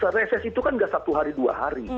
reses itu tidak satu hari atau dua hari